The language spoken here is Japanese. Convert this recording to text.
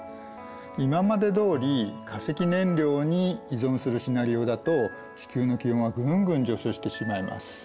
今までどおり化石燃料に依存するシナリオだと地球の気温はぐんぐん上昇してしまいます。